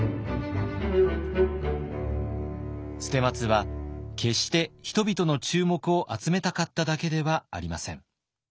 捨松は決して人々の注目を集めたかっただけではありません。